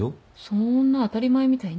そんな当たり前みたいに？